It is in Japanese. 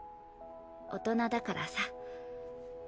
大人だからさ。